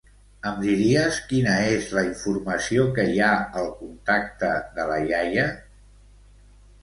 Em diries quina és la informació que hi ha al contacte de la iaia?